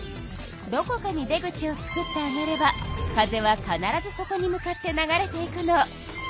どこかに出口をつくってあげれば風は必ずそこに向かって流れていくの。